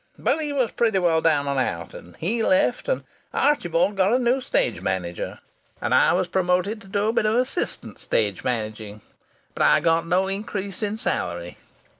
But he was pretty well down and out, and he left, and Archibald got a new stage manager, and I was promoted to do a bit of assistant stage managing. But I got no increase of salary.